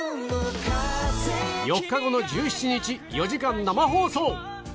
４日後の１７日４時間生放送